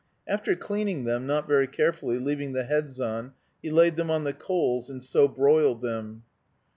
After cleaning them, not very carefully, leaving the heads on, he laid them on the coals and so broiled them.